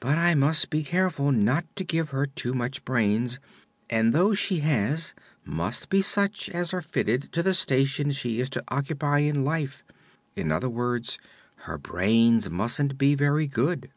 But I must be careful not to give her too much brains, and those she has must be such as are fitted to the station she is to occupy in life. In other words, her brains mustn't be very good."